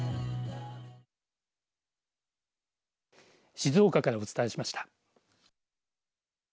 静岡からお伝えしました。